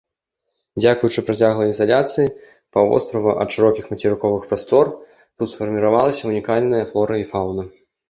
Дзякуючы працяглай ізаляцыі паўвострава ад шырокіх мацерыковых прастор тут сфарміравалася ўнікальная флора і фаўна.